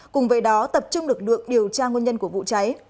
cùng với đó tập trung lực lượng điều tra nguyên nhân của vụ cháy